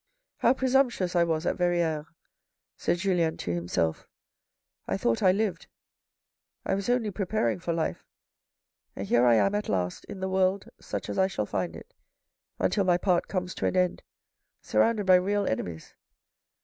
" How presumptuous I was at Verrieres," said Julien to himself. " I thought I lived ; I was only preparing for life, and here I am at last in the world such as I shall find it, until my part comes to an end, surrounded by real enemies.